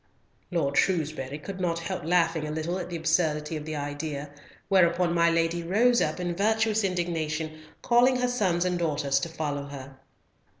Lord Shrewsbury could not help laughing a little at the absurdity of the idea, whereupon my lady rose up in virtuous indignation, calling her sons and daughters to follow her.